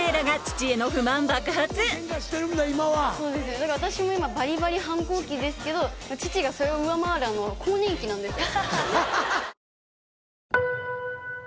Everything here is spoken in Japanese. そうですねだから私も今バリバリ反抗期ですけど父がそれを上回る更年期なんですよ。